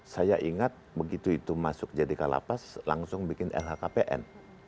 saya ingat begitu itu masuk jadi kalapas langsung bikin lhkpn